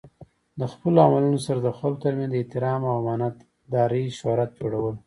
د خپلو عملونو سره د خلکو ترمنځ د احترام او امانت دارۍ شهرت جوړول.